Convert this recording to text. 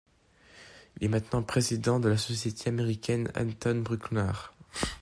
Il est maintenant président de la Société américaine Anton Bruckner.